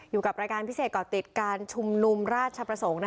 อยู่กับรายการพิเศษก่อติดการชุมนุมราชประสงค์